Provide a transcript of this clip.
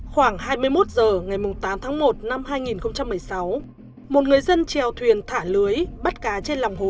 khoảng hai mươi một h ngày tám tháng một năm hai nghìn một mươi sáu một người dân trèo thuyền thả lưới bắt cá trên lòng hồ